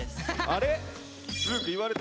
あれ？